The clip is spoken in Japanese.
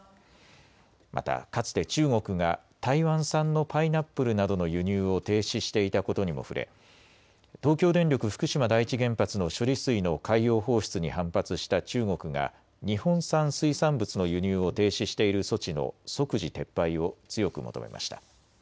またかつて中国が台湾産のパイナップルなどの輸入を停止していたことにも触れ東京電力福島第一原発の処理水の海洋放出に反発した中国が日本産水産物の輸入を停止している措置の即時撤廃を強く求めました。